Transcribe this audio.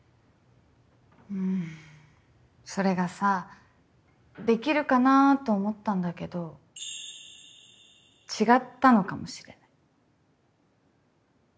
んそれがさできるかなと思ったんだけど違ったのかもしれない。